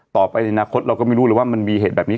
ในอนาคตเราก็ไม่รู้เลยว่ามันมีเหตุแบบนี้